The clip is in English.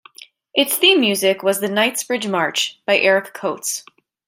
Its theme music was the "Knightsbridge March" by Eric Coates.